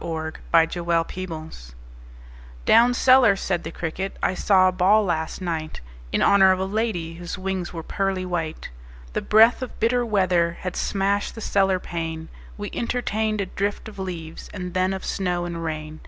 The Potato's Dance "Down cellar," said the cricket, "I saw a ball last night In honor of a lady Whose wings were pearly white. The breath of bitter weather Had smashed the cellar pane: We entertained a drift of leaves And then of snow and rain.